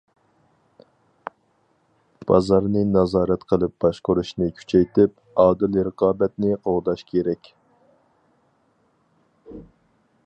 بازارنى نازارەت قىلىپ باشقۇرۇشنى كۈچەيتىپ، ئادىل رىقابەتنى قوغداش كېرەك.